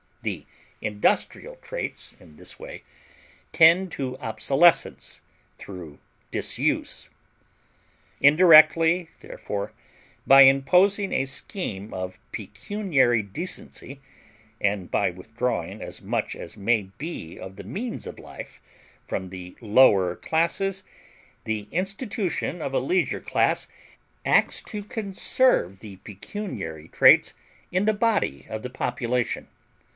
The industrial traits in this way tend to obsolescence through disuse. Indirectly, therefore, by imposing a scheme of pecuniary decency and by withdrawing as much as may be of the means of life from the lower classes, the institution of a leisure class acts to conserve the pecuniary traits in the body of the population.